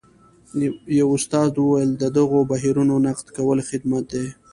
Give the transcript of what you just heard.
یوه استاد وویل د دغو بهیرونو نقد کول خدمت دی.